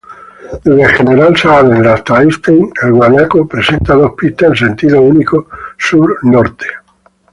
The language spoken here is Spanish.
Desde General Saavedra hasta Einstein, El Guanaco presenta dos pistas en sentido único sur-norte.